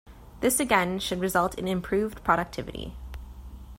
This again should result in improved productivity.